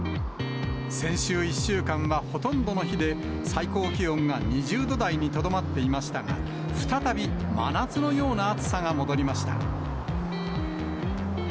先週１週間はほとんどの日で最高気温が２０度台にとどまっていましたが、再び真夏のような暑さが戻りました。